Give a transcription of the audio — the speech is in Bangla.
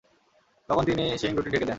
তখন তিনি শিং দুটি ঢেকে দেন।